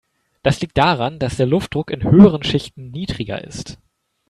Das liegt daran, dass der Luftdruck in höheren Schichten niedriger ist.